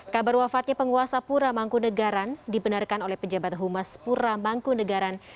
kabar wafatnya penguasa pura mangkunagaran dibenarkan oleh pejabat humas pura mangkunagaran